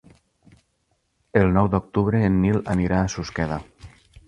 El nou d'octubre en Nil anirà a Susqueda.